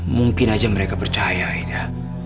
mungkin aja mereka percaya aida